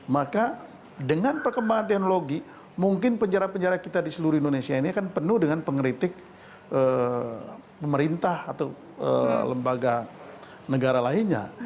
maka dengan perkembangan teknologi mungkin penjara penjara kita di seluruh indonesia ini akan penuh dengan pengeritik pemerintah atau lembaga negara lainnya